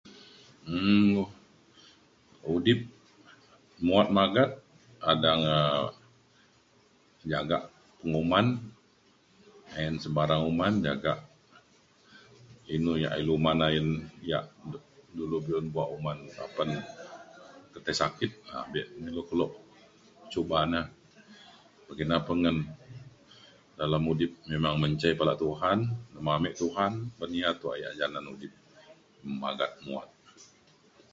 um udip muat magat kadang um jagak penguman ayen sebarang uman jagak inu ya' ilu uman ayen ya' dulu be'un kuak uman apan ke tai sakit um be'un lu lok cuba ne mekina pe ngan dalem udip memang mencai pala' Tuhan nemamek Tuhan oban ya tuak ya' janan udip magat muat.